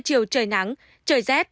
từ chiều trời nắng trời rét